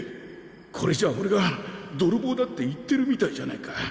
これじゃおれがどろぼうだって言ってるみたいじゃないか。